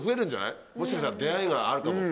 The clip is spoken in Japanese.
もしかしたら出会いがあるかもって。